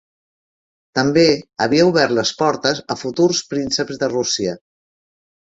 També, havia obert les portes a futurs prínceps de Rússia.